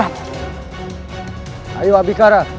aku akan menangkap dia